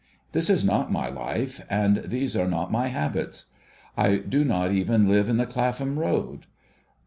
This is not my life, and these are not my habits. I do not even live in the ('lapham Road.